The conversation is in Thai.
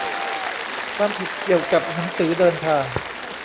ความผิดเกี่ยวกับหนังสือเดินทาง